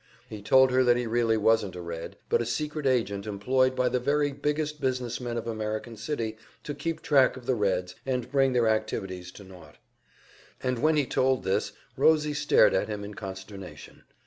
He told her that he really wasn't a Red, but a secret agent employed by the very biggest business men of American City to keep track of the Reds and bring their activities to naught. And when he told this, Rosie stared at him in consternation.